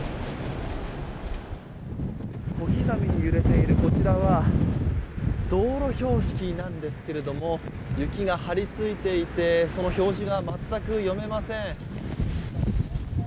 小刻みに揺れているこちらは道路標識なんですけれども雪が張り付いていてその表示が全く読めません。